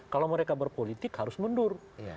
kalau mereka berpolitik harus mundur